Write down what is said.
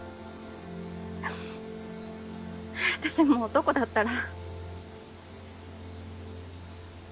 ううっ私も男だったら。